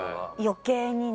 余計にね。